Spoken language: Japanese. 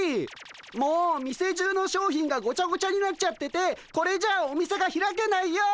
もう店中の商品がごちゃごちゃになっちゃっててこれじゃお店が開けないよ。